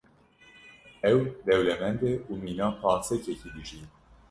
Ew dewlemend e û mîna parsekekî dijî.